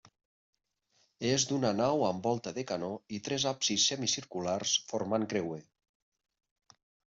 És d'una nau amb volta de canó i tres absis semicirculars formant creuer.